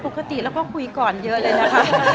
ปกติเราก็คุยก่อนเยอะเลยนะคะ